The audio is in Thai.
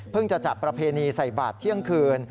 จะจัดประเพณีใส่บาทเที่ยงคืน